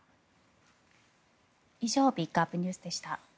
以上ピックアップＮＥＷＳでした。